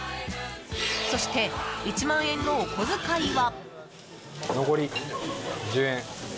そして１万円のお小遣いは。